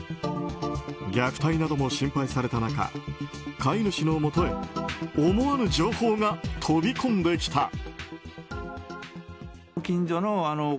虐待なども心配された中飼い主のもとへ思わぬ情報が飛び込んできた。